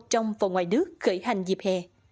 trong và ngoài nước khởi hành dịp hè